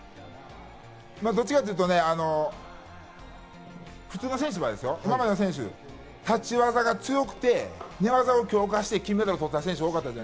どっちかって言うと、普通の選手が今までの選手は、立ち技が強くて、寝技を強化して金メダルを取った選手が多かった。